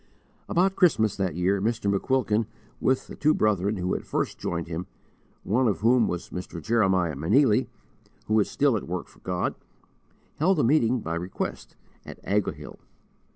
About Christmas, that year, Mr. McQuilkin, with the two brethren who had first joined him one of whom was Mr. Jeremiah Meneely, who is still at work for God held a meeting by request at Ahoghill.